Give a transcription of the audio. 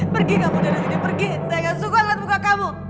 pergi kamu dan dia pergi dia gak suka liat muka kamu